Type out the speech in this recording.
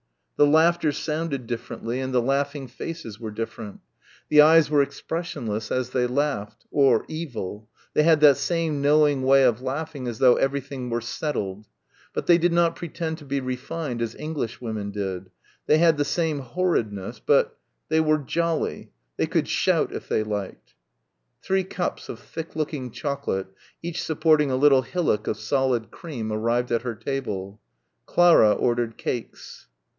The laughter sounded differently and the laughing faces were different. The eyes were expressionless as they laughed or evil ... they had that same knowing way of laughing as though everything were settled but they did not pretend to be refined as Englishwomen did ... they had the same horridness ... but they were ... jolly.... They could shout if they liked. Three cups of thick looking chocolate, each supporting a little hillock of solid cream arrived at her table. Clara ordered cakes.